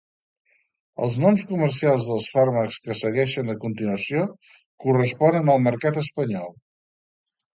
Els noms comercials dels fàrmacs que segueixen a continuació corresponen al mercat espanyol.